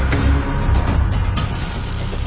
ตอนนี้ก็ไม่มีอัศวินทรีย์